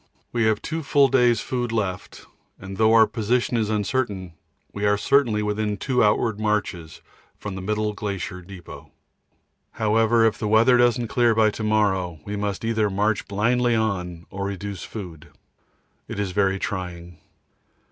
We have two full days' food left, and though our position is uncertain, we are certainly within two outward marches from the middle glacier depot. However, if the weather doesn't clear by to morrow, we must either march blindly on or reduce food. It is very trying.